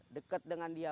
dekat dengan dia